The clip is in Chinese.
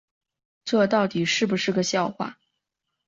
这到底是不是个笑话